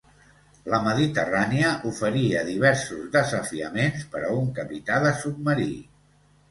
La Mediterrània oferia diversos desafiaments per a un capità de submarí.